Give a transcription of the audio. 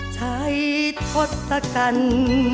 ใช้ทศกัณฑ์